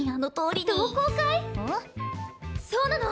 そうなの！